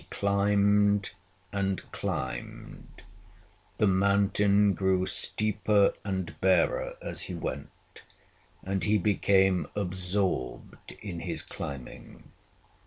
He climbed and climbed. The mountain grew steeper and barer as he went, and he became absorbed in his climbing.